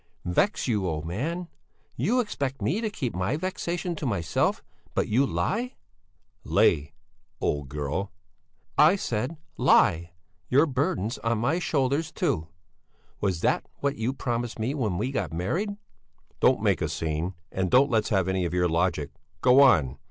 "Vex you, old man! You expect me to keep my vexations to myself; but you lie " "Lay, old girl!" "I say lie your burdens on my shoulders too. Was that what you promised me when we got married?" "Don't make a scene, and don't let's have any of your logic! Go on!